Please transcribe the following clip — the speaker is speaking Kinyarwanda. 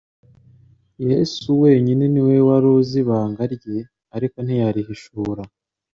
Yesu wenyine ni we wari uzi ibanga lye, ariko ntiyariuishura.